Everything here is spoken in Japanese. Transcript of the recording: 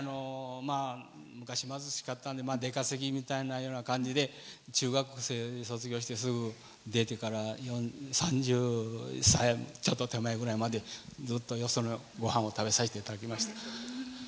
昔、貧しかったんで出稼ぎみたいな感じで中学生卒業してすぐ出てから３０歳ちょっと手前ぐらいまでずっと、よそのごはんを食べさせていただきました。